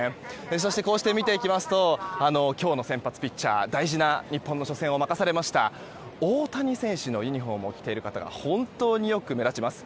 そして、こうして見ていきますと今日の先発ピッチャー大事な日本の初戦を任されました大谷選手のユニホームを着ている方が本当によく目立ちます。